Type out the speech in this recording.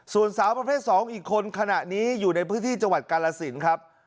ส่วนสาวประเภท๒อีกคนขณะนี้อยู่ในพื้นที่จังหวัดกาลสินครับ